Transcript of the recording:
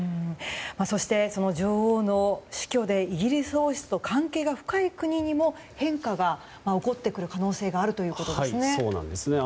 そして、女王の死去でイギリス王室と関係が深い国にも変化が起こってくる可能性があるということですね。